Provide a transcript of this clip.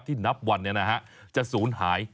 ที่นับวันจะสูญหาย